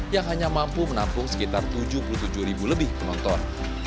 yang hanya mampu menampung sekitar tujuh puluh penonton